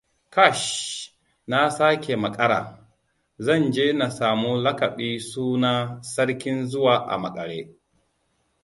Kash! Na sake makara!! Zan je na samu laƙabi suna 'Sarkin zuwa a makare'.